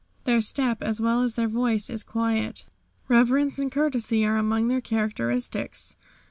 Their step, as well as their voice, is quiet. Reverence and courtesy are among their characteristics.